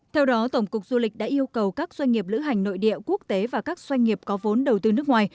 theo đó tổng cục du lịch đã yêu cầu các doanh nghiệp lữ hành nội địa quốc tế và các doanh nghiệp có vốn đầu tư nước ngoài